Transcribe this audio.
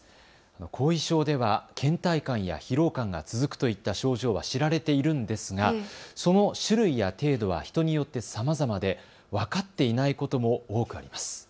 後遺症では、けん怠感や疲労感が続くといった症状は知られているんですがその種類や程度は人によってさまざまで分かっていないことも多くあります。